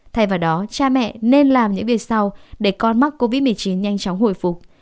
thay vào đó cha mẹ nên làm những việc sau để con mắc covid một mươi chín nhanh chóng hồi phục